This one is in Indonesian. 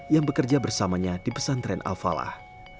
yang bekerja bersamanya di pesantren al falah